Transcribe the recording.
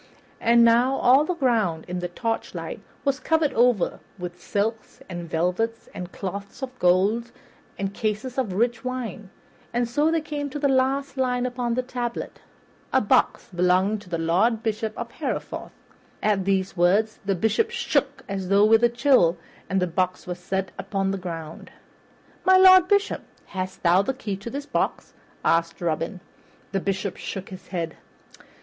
And now all the ground in the torchlight was covered over with silks and velvets and cloths of gold and cases of rich wines, and so they came to the last line upon the tablet "A box belonging to the Lord Bishop of Hereford." At these words the Bishop shook as with a chill, and the box was set upon the ground. "My Lord Bishop, hast thou the key of this box?" asked Robin. The Bishop shook his head.